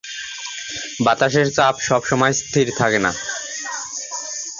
বাতাসের চাপ সবসময় স্থির থাকে না।